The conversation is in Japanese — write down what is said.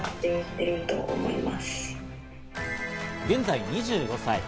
現在２５歳。